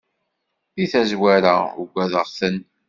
Di tazzwara ugadeɣ-ten.